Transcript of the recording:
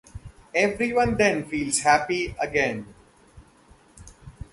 Everyone then feels happy again.